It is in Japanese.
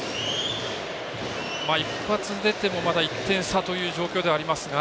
一発出ても、まだ１点差という状況ではありますが。